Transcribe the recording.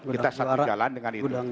kita satu jalan dengan itu